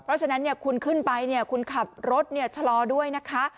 เพราะฉะนั้นเนี่ยคุณขึ้นไปเนี่ยคุณขับรถเนี่ยชะลอด้วยนะคะ